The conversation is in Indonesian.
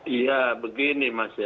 iya begini mas